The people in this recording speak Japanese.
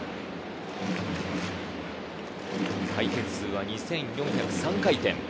回転数は２４０３回。